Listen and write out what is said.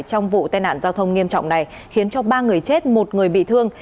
trong vụ tai nạn giao thông nghiêm trọng này khiến cho ba người chết một người bị thương